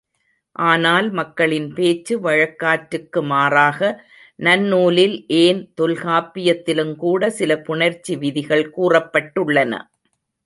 ஆனால், மக்களின் பேச்சு வழக்காற்றுக்கு மாறாக, நன்னூலில் ஏன் தொல்காப்பியத்திலுங்கூட, சில புணர்ச்சி விதிகள் கூறப்பட்டுள்ளன.